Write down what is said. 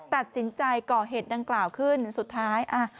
ตัดสินใจก่อเหตุดังกล่าวขึ้นสุดท้าย